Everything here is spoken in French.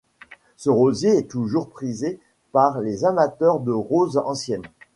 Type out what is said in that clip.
Ce rosier est toujours prisé par les amateurs de roses anciennes.